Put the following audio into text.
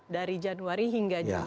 dari januari hingga juni